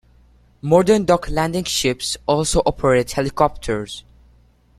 Modern dock landing ships also operate helicopters.